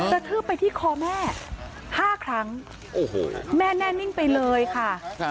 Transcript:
ทืบไปที่คอแม่๕ครั้งโอ้โหแม่แน่นิ่งไปเลยค่ะ